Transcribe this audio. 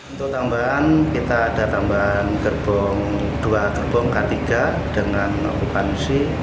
untuk tambahan kita ada tambahan dua gerbong k tiga dengan lupan c